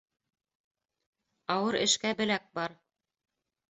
Ауыр эшкә беләк бар